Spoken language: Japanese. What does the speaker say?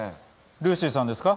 ルーシーさんですか？